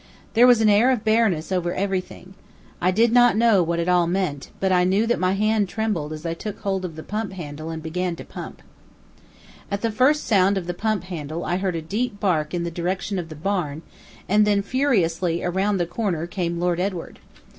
There was an air of bareness over everything. I did not know what it all meant, but I know that my hand trembled as I took hold of the pump handle and began to pump. At the first sound of the pump handle I heard a deep bark in the direction of the barn, and then furiously around the corner came Lord Edward.